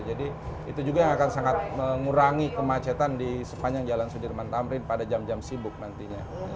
jadi itu juga yang akan sangat mengurangi kemacetan di sepanjang jalan sudirman tamrin pada jam jam sibuk nantinya